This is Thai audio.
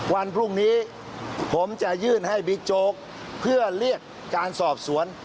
วันพรุ่งนี้ผมจะยื่นให้บิ๊กโจ๊กเพื่อเรียกการสอบสวน